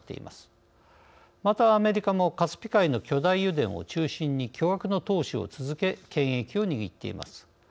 またアメリカもカスピ海の巨大油田を中心に巨額の投資を続け権益を握っています。